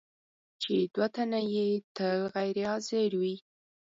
چې دوه تنه یې تل غیر حاضر وي.